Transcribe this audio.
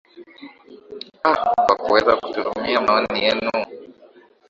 a kwa kuweza kututumia maoni yenu